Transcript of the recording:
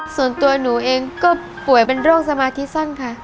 ส่วนตัวหนูเองก็ป่วยเป็นโรคสมาธิสั้นค่ะ